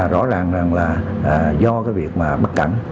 rõ ràng là do cái việc mà bắt cắn